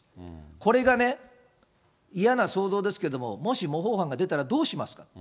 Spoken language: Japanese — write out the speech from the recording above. これがね、嫌な想像ですけれども、もし模倣犯が出たらどうしますか。